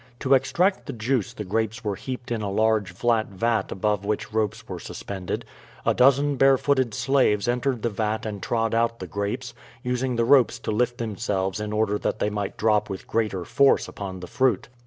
To extract the juice the grapes were heaped in a large flat vat above which ropes were suspended. A dozen barefooted slaves entered the vat and trod out the grapes, using the ropes to lift themselves in order that they might drop with greater force upon the fruit.